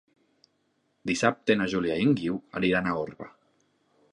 Dissabte na Júlia i en Guiu aniran a Orba.